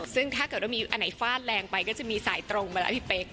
ซึ่งถ้าเกิดว่ามีอันไหนฟาดแรงไปก็จะมีสายตรงไปแล้วพี่เป๊ก